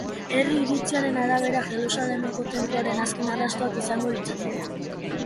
Herri iritziaren arabera, Jerusalemeko Tenpluaren azken arrastoa izango litzateke.